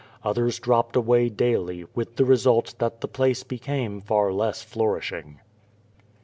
Others dropped away daily, with the result that the place became far less flourishing.